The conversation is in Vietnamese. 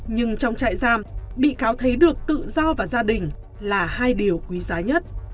nhưng trong trại giam bị cáo thấy được tự do và gia đình là hai điều quý giá nhất